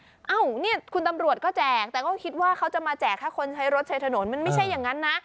เอ้าเนี่ยคุณตำรวจก็แจกแต่ก็คิดว่าเขาจะมาแจกให้คนใช้รถใช้ถนนมันไม่ใช่อย่างนั้นนะ